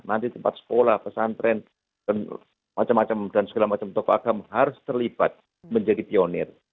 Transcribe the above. nanti tempat sekolah pesantren macam macam dan segala macam tokoh agama harus terlibat menjadi pionir